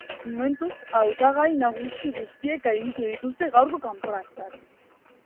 Momentuz, hautagai nagusi guztiek gainditu dituzte gaurko kanporaketak.